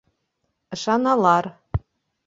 Ышаналар.